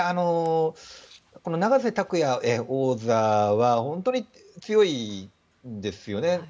この永瀬拓矢王座は本当に強いんですよね。